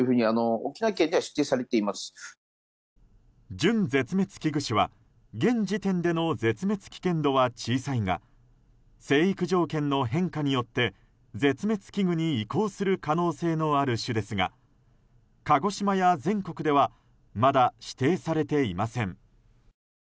準絶滅危惧種は現時点での絶滅危険度は小さいが生育条件の変化によって絶滅危惧に移行する可能性のある種ですが鹿児島や全国ではまだ指定されていません。